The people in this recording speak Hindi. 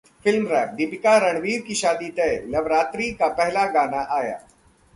FilmWrap: दीपिका-रणवीर की शादी तय, लवरात्रि का पहला गाना आया